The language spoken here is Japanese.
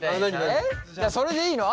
それでいいの？